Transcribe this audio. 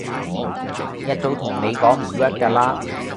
一早同你講唔 work 㗎啦